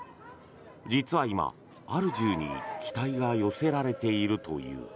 実は今、ある銃に期待が寄せられているという。